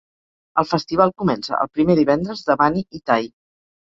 El festival comença el primer divendres d'Avani i Thai.